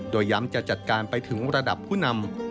โดยย้ำจะจัดการไปถึงระดับผู้นำ